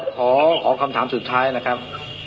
เดี๋ยวขอคำถามสุดท้ายนะครับ